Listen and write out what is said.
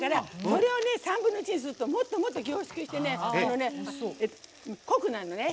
これを３分の１にするともっともっと、凝縮して濃くなるのね。